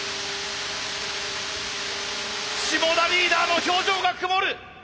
霜田リーダーの表情が曇る！